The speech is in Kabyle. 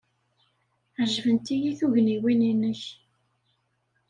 Ɛejbent-iyi tugniwin-nnek.